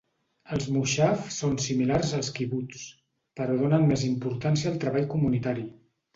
Els moixav són similars als quibuts, però donen més importància al treball comunitari.